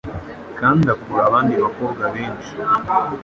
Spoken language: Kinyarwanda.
kandi akurura abandi bakobwa benshi,